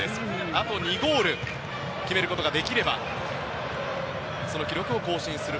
あと２ゴール決めることができればその記録を更新する。